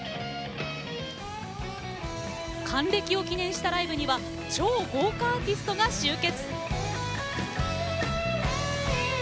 還暦を記念したライブには超豪華アーティストが集結。